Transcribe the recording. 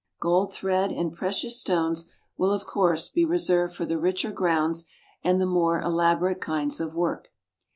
Gold thread and precious stones will of course be reserved for the richer grounds, and the more elaborate kinds of work.